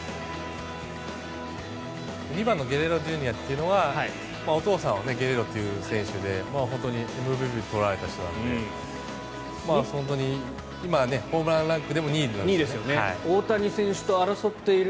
２番のゲレーロＪｒ．というのはお父さんはゲレーロっていう選手で本当にＭＶＰを取られた人なので本当に今はホームランランクでも２位になっている。